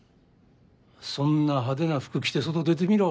そんな派手な服着て外出てみろ